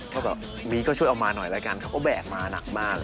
เพราะแบบมีก็ช่วยเอามาหน่อยละกันเพราะแบบมาหนักมาก